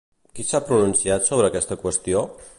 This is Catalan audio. Qui s'ha pronunciat sobre aquesta qüestió?